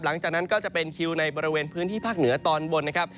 หลังจากนั้นก็จะเป็นคิวในบริเวณพื้นที่ภาคเหนือตอนบนนะครับ